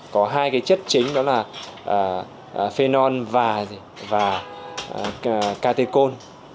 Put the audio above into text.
có hai cái chất chính đó là phenol và catechol